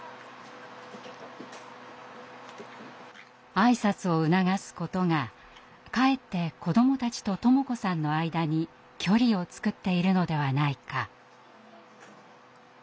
挨拶を促すことがかえって子どもたちと智子さんの間に距離を作っているのではないか。